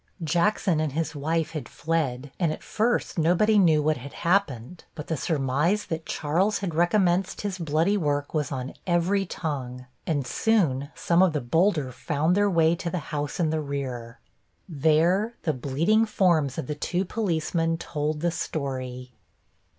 Jackson and his wife had fled and at first nobody knew what had happened, but the surmise that Charles had recommenced his bloody work was on every tongue and soon some of the bolder found their way to the house in the rear. There the bleeding forms of the two policemen told the story.